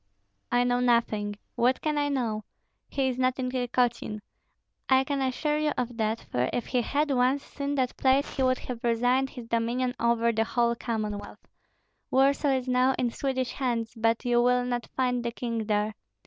"I know nothing. What can I know? He is not in Tykotsin; I can assure you of that, for if he had once seen that place he would have resigned his dominion over the whole Commonwealth. Warsaw is now in Swedish hands, but you will not find the king there.